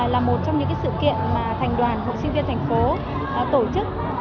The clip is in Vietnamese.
là một trong những sự kiện mà thành đoàn hội sinh viên thành phố tổ chức